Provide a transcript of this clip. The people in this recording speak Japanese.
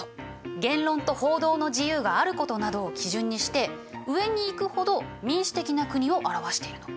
「言論と報道の自由があること」などを基準にして上に行くほど民主的な国を表しているの。